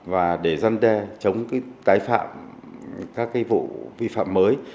và để dân đe chống tái phạm các vụ vi phạm mới